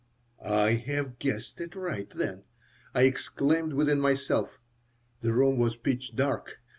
"I have guessed it right, then," I exclaimed within myself. The room was pitch dark.